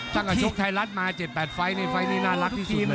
ตั้งแต่โชคไทรัสมา๗๘ไฟต์ในไฟต์นี้น่ารักที่สุดเลย